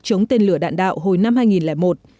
chống tên lửa đạn đạo hồi năm hai nghìn một